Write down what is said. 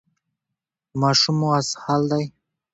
ماشوم مو اسهال دی؟